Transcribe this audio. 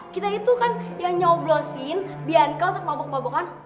kita itu kan yang nyoblosin bianca untuk mabok mabokan